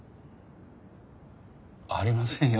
ありませんよ